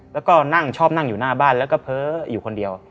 แล้วก็นั่งชอบนั่งอยู่หน้าบ้านแล้วก็เพ้ออยู่คนเดียว